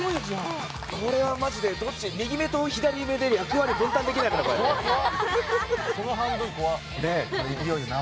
これはマジで、右目と左目で役割を分担できるのかな。